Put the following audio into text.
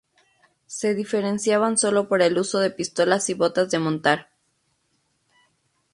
Se diferenciaban sólo por el uso de pistolas y botas de montar.